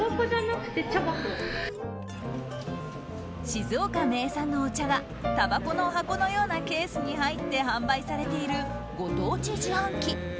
静岡名産のお茶がたばこの箱のようなケースに入って販売されているご当地自販機。